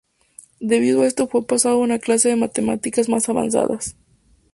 Debido a esto fue pasado a una clase de matemáticas más avanzadas.